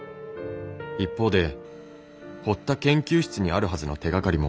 一方で堀田研究室にあるはずの手がかりも。